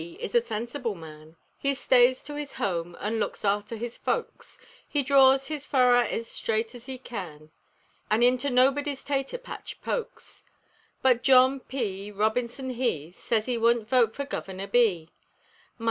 is a sensible man; He stays to his home an' looks arter his folks; He draws his furrer ez straight ez he can, An' into nobody's tater patch pokes; But John P. Robinson he Sez he wun't vote fer Guvener B. My!